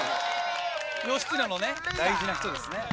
「義経のね大事な人ですね」